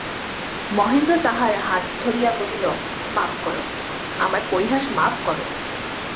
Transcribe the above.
মহেন্দ্র তাহার হাত ধরিয়া কহিল, মাপ করো, আমার পরিহাস মাপ করো।